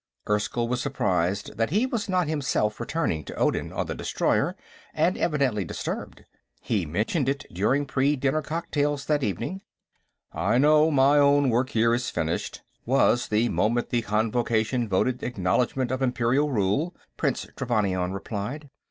Erskyll was surprised that he was not himself returning to Odin on the destroyer, and evidently disturbed. He mentioned it during pre dinner cocktails that evening. "I know, my own work here is finished; was the moment the Convocation voted acknowledgment of Imperial rule." Prince Trevannion replied.